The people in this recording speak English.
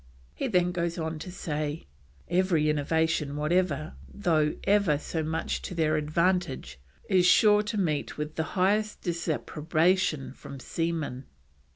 He then goes on to say: "Every innovation whatever, tho' ever so much to their advantage, is sure to meet with the highest disapprobation from seaman.